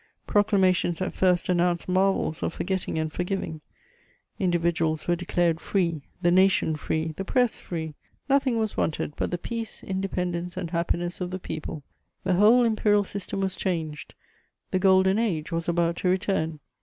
Proclamations at first announced marvels of forgetting and forgiving; individuals were declared free, the nation free, the press free; nothing was wanted but the peace, independence and happiness of the people; the whole imperial system was changed; the golden age was about to return.